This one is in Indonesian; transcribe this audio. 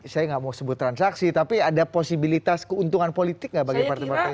saya nggak mau sebut transaksi tapi ada posibilitas keuntungan politik nggak bagi partai partai